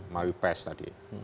melalui pes tadi